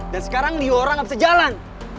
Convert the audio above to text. dan sekarang liora gak bisa jalan